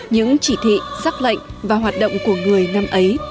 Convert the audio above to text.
những chỉ thị giác lệnh và hoạt động của người năm ấy